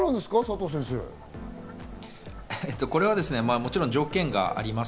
もちろん条件があります。